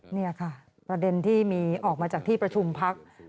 นี่ค่ะประเด็นที่มีออกมาจากที่ประชุมพัก